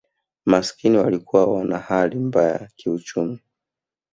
Maskini walikuwa wana hali mabaya kiuchumi